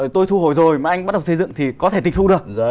tôi thu hồi rồi mà anh bắt đầu xây dựng thì có thể tịch thu được